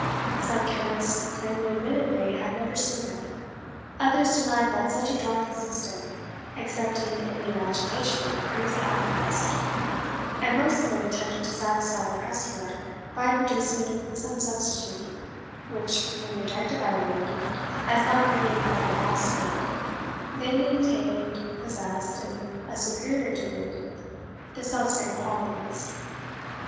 Some chemists plainly admitted they had never seen it; others denied that such a drug existed, excepting in the imagination of crazy alchemists; and most of them attempted to satisfy their customer, by producing some substitute, which, when rejected by Wayland, as not being what he had asked for, they maintained possessed, in a superior degree, the self same qualities.